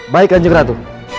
baik anjung ratu